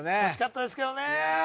惜しかったですけどね